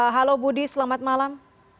halo budi selamat malam